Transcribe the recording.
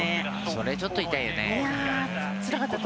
それはちょっと痛いよね。